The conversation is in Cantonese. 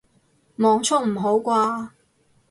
網速唔好啩